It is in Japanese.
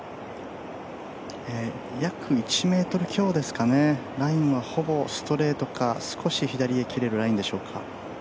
約１ｍ強ですかね、ラインはほぼストレートか少し左へ切れるラインでしょうか。